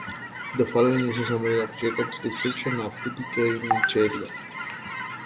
The following is a summary of Jacobs' description of the decay in each area.